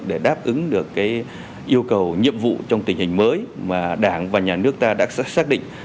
để đáp ứng được yêu cầu nhiệm vụ trong tình hình mới mà đảng và nhà nước ta đã xác định